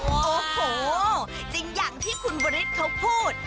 โอ้โหจริงอย่างที่คุณบริษเขาพูด